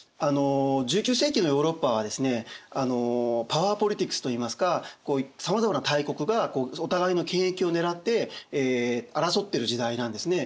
パワーポリティクスといいますかさまざまな大国がお互いの権益を狙って争っている時代なんですね。